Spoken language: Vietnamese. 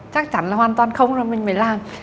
chắc chắn là hoàn toàn không rồi mình mới làm